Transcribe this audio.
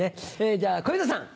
じゃあ小遊三さん。